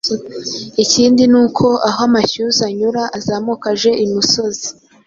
Ikindi ni uko aho amashyuza anyura azamuka aje imusozi